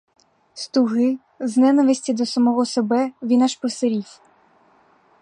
З туги, з ненависті до самого себе він аж посірів.